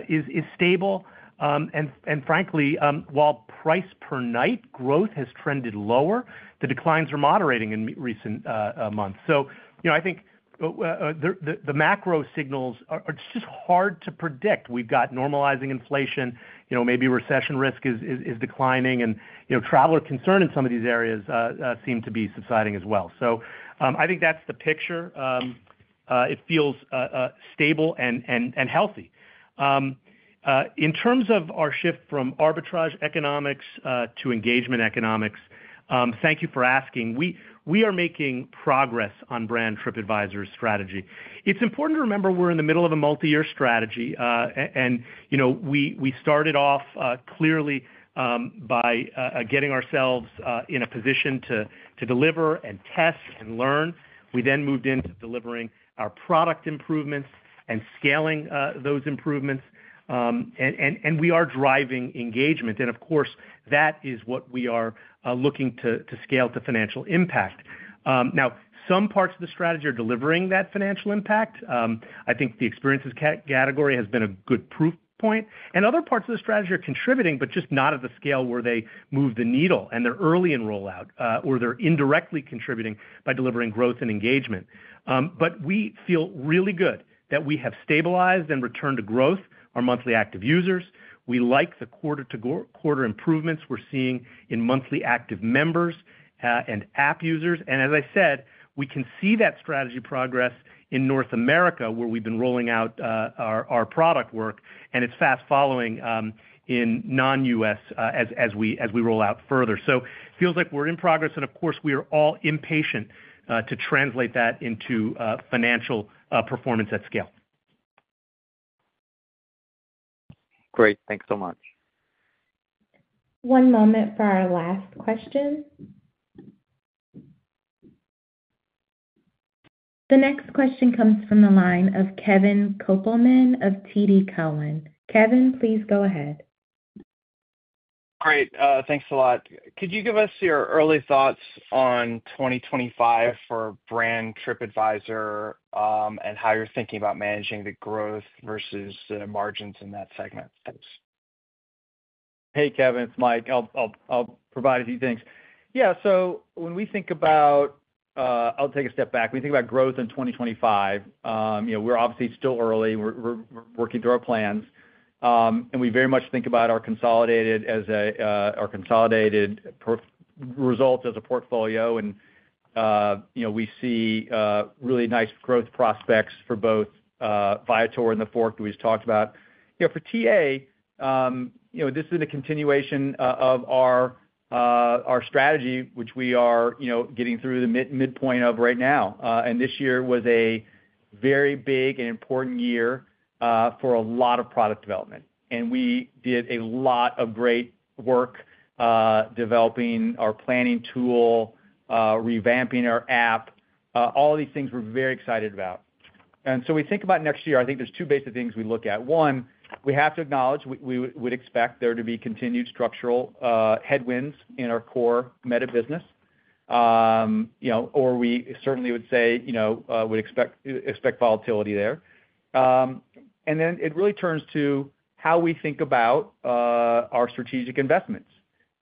is stable. And frankly, while price per night growth has trended lower, the declines are moderating in recent months. So I think the macro signals are just hard to predict. We've got normalizing inflation. Maybe recession risk is declining, and traveler concern in some of these areas seem to be subsiding as well, so I think that's the picture. It feels stable and healthy. In terms of our shift from arbitrage economics to engagement economics, thank you for asking. We are making progress on brand TripAdvisor's strategy. It's important to remember we're in the middle of a multi-year strategy, and we started off clearly by getting ourselves in a position to deliver and test and learn. We then moved into delivering our product improvements and scaling those improvements, and we are driving engagement, and of course, that is what we are looking to scale to financial impact. Now, some parts of the strategy are delivering that financial impact. I think the experiences category has been a good proof point. Other parts of the strategy are contributing, but just not at the scale where they move the needle. They're early in rollout, or they're indirectly contributing by delivering growth and engagement. We feel really good that we have stabilized and returned to growth our monthly active users. We like the quarter-to-quarter improvements we're seeing in monthly active members and app users. As I said, we can see that strategy progress in North America where we've been rolling out our product work. It's fast-following in non-U.S. as we roll out further. It feels like we're in progress. Of course, we are all impatient to translate that into financial performance at scale. Great. Thanks so much. One moment for our last question. The next question comes from the line of Kevin Kopelman of TD Cowen. Kevin, please go ahead. Great. Thanks a lot. Could you give us your early thoughts on 2025 for brand TripAdvisor and how you're thinking about managing the growth versus the margins in that segment? Thanks. Hey, Kevin. It's Mike. I'll provide a few things. Yeah. So when we think about, I'll take a step back. When we think about growth in 2025, we're obviously still early. We're working through our plans. And we very much think about our consolidated results as a portfolio. And we see really nice growth prospects for both Viator and TheFork that we just talked about. For TA, this is a continuation of our strategy, which we are getting through the midpoint of right now. And this year was a very big and important year for a lot of product development. And we did a lot of great work developing our planning tool, revamping our app. All of these things we're very excited about. And so we think about next year, I think there's two basic things we look at. One, we have to acknowledge we would expect there to be continued structural headwinds in our core meta business, or we certainly would say we'd expect volatility there. And then it really turns to how we think about our strategic investments,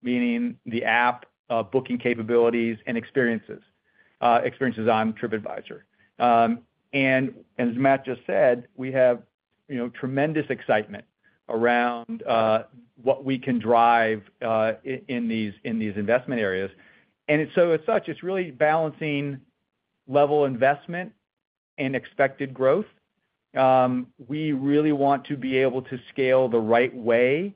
meaning the app booking capabilities and experiences on TripAdvisor. And as Matt just said, we have tremendous excitement around what we can drive in these investment areas. And so it's really balancing level investment and expected growth. We really want to be able to scale the right way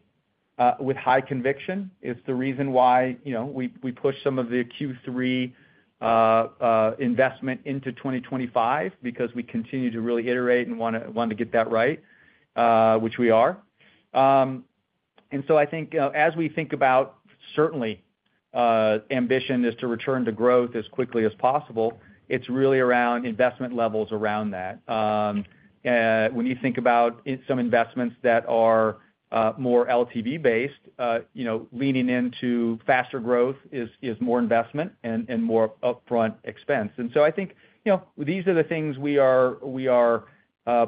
with high conviction. It's the reason why we push some of the Q3 investment into 2025 because we continue to really iterate and want to get that right, which we are. And so I think as we think about, certainly ambition is to return to growth as quickly as possible. It's really around investment levels around that. When you think about some investments that are more LTV-based, leaning into faster growth is more investment and more upfront expense. And so I think these are the things we are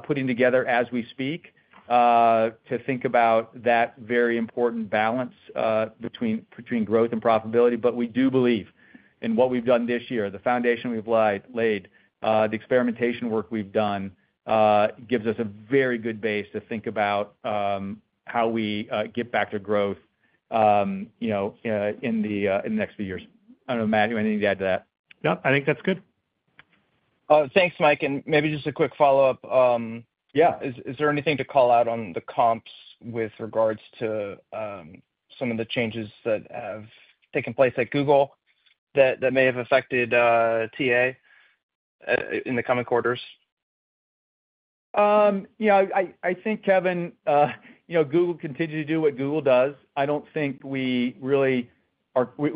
putting together as we speak to think about that very important balance between growth and profitability. But we do believe in what we've done this year. The foundation we've laid, the experimentation work we've done gives us a very good base to think about how we get back to growth in the next few years. I don't know, Matt, do you have anything to add to that? Yep. I think that's good. Thanks, Mike, and maybe just a quick follow-up. Yeah. Is there anything to call out on the comps with regards to some of the changes that have taken place at Google that may have affected TA in the coming quarters? Yeah. I think, Kevin, Google continues to do what Google does. I don't think we're calling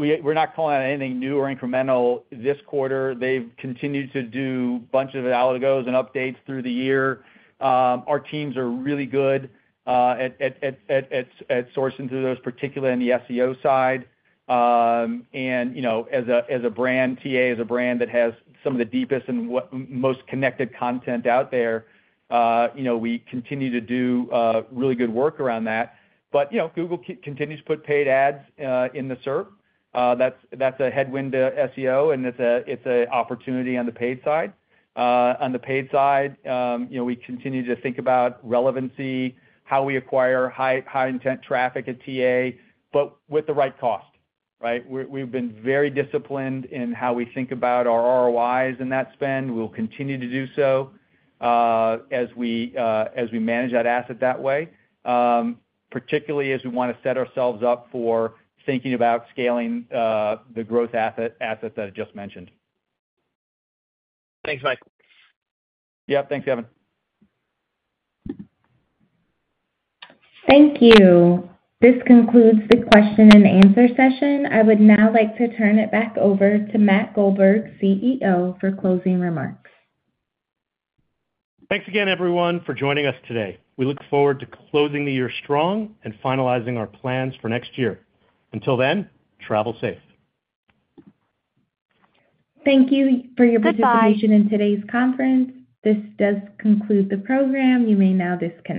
out anything new or incremental this quarter. They've continued to do a bunch of algo updates through the year. Our teams are really good at sourcing through those, particularly on the SEO side. And as a brand, TA is a brand that has some of the deepest and most connected content out there. We continue to do really good work around that. But Google continues to put paid ads in the SERP. That's a headwind to SEO, and it's an opportunity on the paid side. On the paid side, we continue to think about relevancy, how we acquire high-intent traffic at TA, but with the right cost, right? We've been very disciplined in how we think about our ROIs and that spend. We'll continue to do so as we manage that asset that way, particularly as we want to set ourselves up for thinking about scaling the growth assets that I just mentioned. Thanks, Mike. Yep. Thanks, Kevin. Thank you. This concludes the question-and-answer session. I would now like to turn it back over to Matt Goldberg, CEO, for closing remarks. Thanks again, everyone, for joining us today. We look forward to closing the year strong and finalizing our plans for next year. Until then, travel safe. Thank you for your participation in today's conference. This does conclude the program. You may now disconnect.